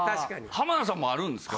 浜田さんもあるんですか。